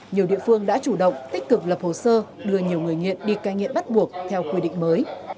nhiều địa phương đã chủ động tích cực lập hồ sơ đưa nhiều người nghiện đi cai nghiện bắt buộc theo quy định mới